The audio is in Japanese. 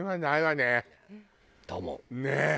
ねえ！